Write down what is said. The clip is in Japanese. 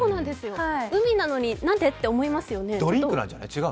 海なのになぜ？って思いますよね。